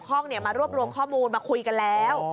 คุณผู้ชมครับคุณผู้ชมครับ